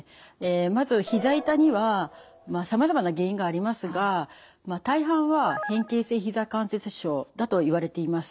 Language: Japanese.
まずひざ痛にはさまざまな原因がありますが大半は変形性ひざ関節症だといわれています。